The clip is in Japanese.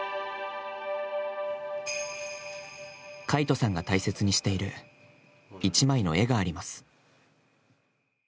魁翔さんが大切にしている一枚の絵があります。